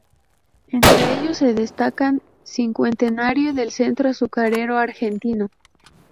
Entre ellos se destacan "Cincuentenario del Centro Azucarero Argentino.